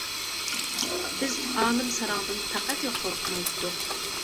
بىز ئالىم ساراڭدىن پەقەتلا قورقمايتتۇق.